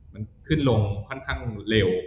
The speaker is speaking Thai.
มันขึ้นลงค่อนข้างเร็ว